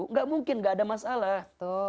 tidak mungkin tidak ada masalah